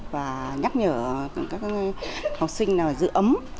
và nhắc nhở các học sinh là giữ ấm